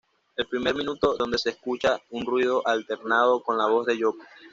El primer minuto, donde se escucha un ruido alternado con la voz de Yoko.